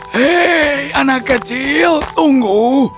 hei anak kecil tunggu